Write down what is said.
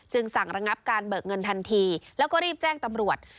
สั่งระงับการเบิกเงินทันทีแล้วก็รีบแจ้งตำรวจ